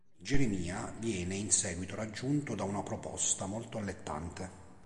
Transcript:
Geremia viene in seguito raggiunto da una proposta molto allettante.